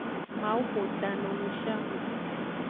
Mawu xo ta no nushianu.